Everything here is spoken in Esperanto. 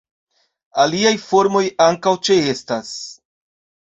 Aliaj formoj ankaŭ ĉeestas.